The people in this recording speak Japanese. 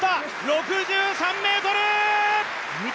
６３ｍ！